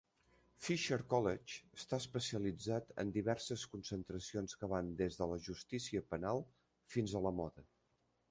Fisher College està especialitzat en diverses concentracions que van des de la justícia penal fins a la moda.